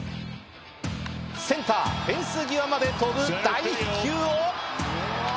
センター、フェンス際まで飛ぶ大飛球を。